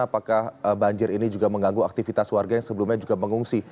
apakah banjir ini juga mengganggu aktivitas warga yang sebelumnya juga mengungsi